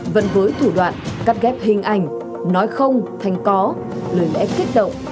vẫn với thủ đoạn cắt ghép hình ảnh nói không thành có lời lẽ kích động